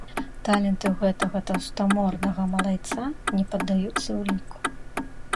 Таленты ў гэтага таўстамордага малайца не паддаюцца ўліку.